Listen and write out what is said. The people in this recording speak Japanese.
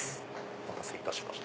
お待たせいたしました。